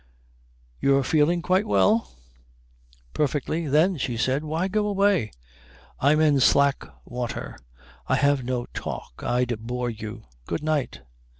"You're feeling quite well?" "Perfectly." "Then," she said, "why go away?" "I'm in slack water. I have no talk. I'd bore you. Good night."